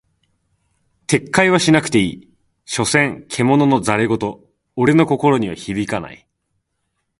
撤回はしなくていい、所詮獣の戯言俺の心には響かない。